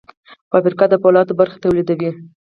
فابریکه د فولادو برخې تولیدوي.